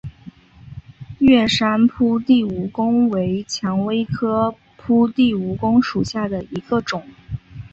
乐山铺地蜈蚣为蔷薇科铺地蜈蚣属下的一个种。